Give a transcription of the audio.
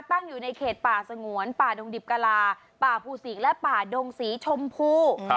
ตั้งอยู่ในเขตป่าสงวนป่าดงดิบกะลาป่าภูศิกและป่าดงสีชมพู